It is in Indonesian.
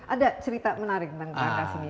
ada cerita menarik tentang tangkas ini